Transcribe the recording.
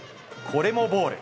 これもボール。